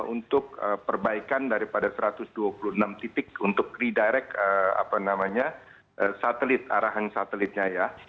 untuk perbaikan daripada satu ratus dua puluh enam titik untuk redirect satelit arahan satelitnya ya